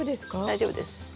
大丈夫です。